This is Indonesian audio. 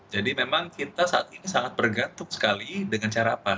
jadi memang kita saat ini sangat bergantung sekali dengan cara apa